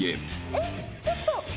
えっちょっと！